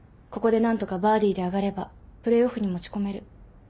ここで何とかバーディーで上がればプレーオフに持ち込める。